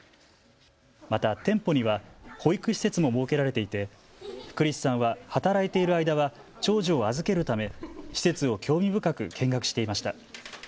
また、店舗には保育施設も設けられていてクリスさんは働いている間は長女を預けるため施設を興味深く見学していました。